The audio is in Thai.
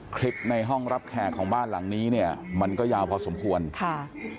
คลิปในห้องรับแขกของบ้านหลังนี้เนี่ยมันก็ยาวพอสมควรค่ะ